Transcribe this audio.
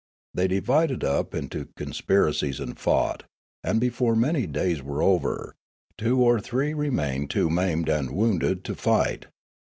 They divided up into conspira cies and fought, and before many days were over, two or three remained too maimed and wounded to fight.